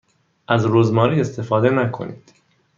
از رزماری استفاده نکنید.